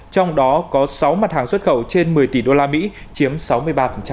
trong đó có sáu mặt hàng xuất khẩu trên một mươi tỷ usd chiếm sáu mươi ba